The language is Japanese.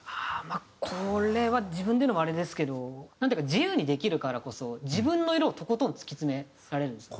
これは自分で言うのもあれですけどなんていうか自由にできるからこそ自分の色をとことん突き詰められるんですね。